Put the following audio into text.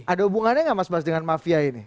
ada hubungannya nggak mas bas dengan mafia ini